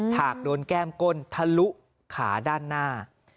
หากโดนแก้มก้นทะลุขาด้านหน้า